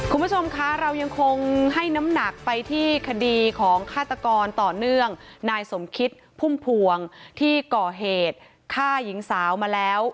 คุณผู้ชมคะเรายังคงให้น้ำหนักไปที่คดีของฆาตกรต่อเนื่องนายสมคิดพุ่มพวงที่ก่อเหตุฆ่าหญิงสาวมาแล้ว